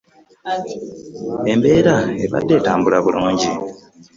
Embeere ebadde etambula bulungi.